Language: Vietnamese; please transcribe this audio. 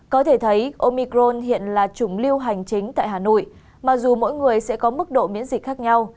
có thể thấy omicron hiện là chủng lưu hành chính tại hà nội mặc dù mỗi người sẽ có mức độ miễn dịch khác nhau